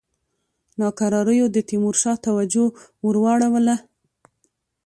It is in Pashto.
ناکراریو د تیمورشاه توجه ور واړوله.